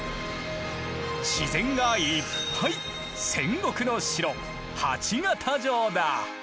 自然がいっぱい戦国の城鉢形城だ。